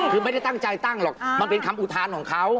คือไม่ได้ตั้งใจตั้งหรอกมันเป็นคำอุทานของเขา